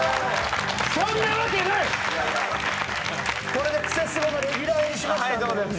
これで『クセスゴ！』のレギュラー入りしましたんで２人で。